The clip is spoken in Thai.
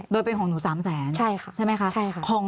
โดยเป็นของหนู๓๐๐๐๐๐บาทใช่ไหมคะใช่ค่ะ